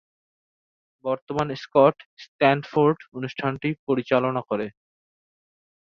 বর্তমান Scott Stanford অনুষ্ঠানটি পরিচালনা করে।